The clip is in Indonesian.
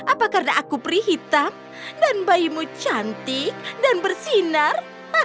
apa karena aku perih hitam dan bayimu cantik dan bersinar